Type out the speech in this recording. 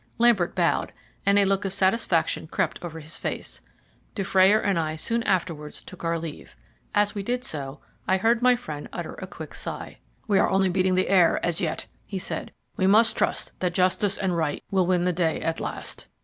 Lambert bowed, and a look of satisfaction crept over his face. Dufrayer and I soon afterwards took our leave. As we did so, I heard my friend utter a quick sigh. "We are only beating the air as yet," he said. "We must trust that justice and right will win the day at last."